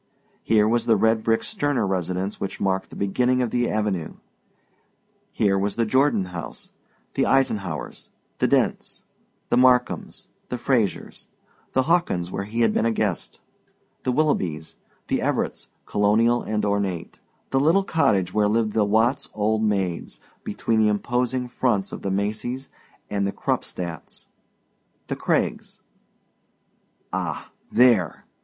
Here was the red brick Sterner residence which marked the beginning of the avenue; here was the Jordon house, the Eisenhaurs', the Dents', the Markhams', the Frasers'; the Hawkins', where he had been a guest; the Willoughbys', the Everett's, colonial and ornate; the little cottage where lived the Watts old maids between the imposing fronts of the Macys' and the Krupstadts'; the Craigs Ah ... THERE!